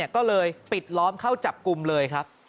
ก็เลยปิดล้อมเข้าจับกลุ่มเลยครับ